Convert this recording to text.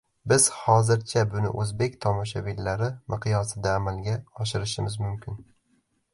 Biz hozircha buni o‘zbek tomoshabinlari miqyosida amalga oshirishimiz mumkin.